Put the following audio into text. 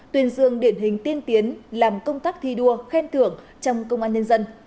tuyên dương điển hình tiên tiến làm công tác thi đua khen thưởng trong công an nhân dân